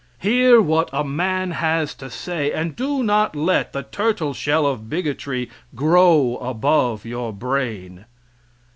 Hear what a man has to say, and do not let the turtle shell of bigotry grow above your brain.